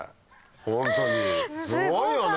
ホントにすごいよね？